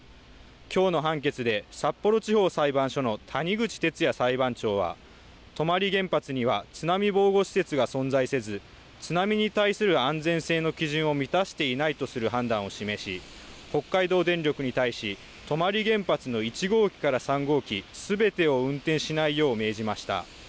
きょうの判決で札幌地方裁判所の谷口哲也裁判長は泊原発には津波防護施設が存在せず津波に対する安全性の基準を満たしていないとする判断を示し北海道電力に対し泊原発の１号機から３号機すべてを運転しないよう命じました。